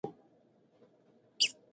هغه باور مکمل له لاسه ورکړی و.